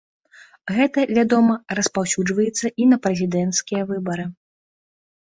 Гэта, вядома, распаўсюджваецца і на прэзідэнцкія выбары.